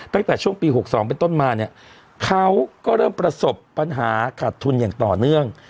ตั้งแต่ช่วงปี๖๒เป็นต้นมาเนี่ยเขาก็เริ่มประสบปัญหาขาดทุนอย่างต่อเนื่อง